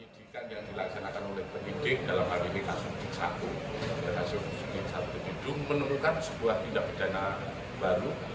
penyidikan yang dilaksanakan oleh penyidik dalam hal ini kasus pik satu dan kasus pik satu dan pik dua menemukan sebuah tindak bidana baru